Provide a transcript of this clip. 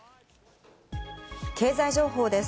経済情報です。